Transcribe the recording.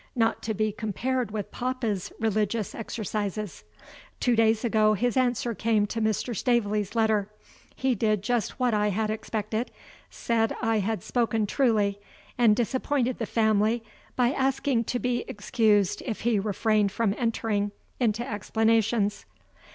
(Not to be compared with papa's religious exercises.) Two days ago his answer came to Mr. Staveley's letter. He did just what I had expected said I had spoken truly, and disappointed the family by asking to be excused if he refrained from entering into explanations.